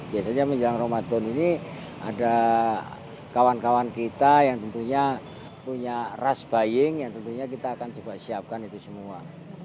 biasanya menjelang ramadan ini ada kawan kawan kita yang tentunya punya ras buying yang tentunya kita akan coba siapkan itu semua